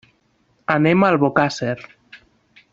Anem a Albocàsser.